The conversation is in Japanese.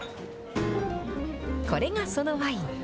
これがそのワイン。